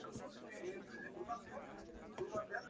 Con el tiempo, sin embargo, la situación cambió.